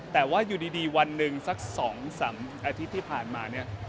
แต่ว่าอยู่ดีวันหนึ่งสัก๒๓อาทิตย์ที่ผ่านมาเนี่ย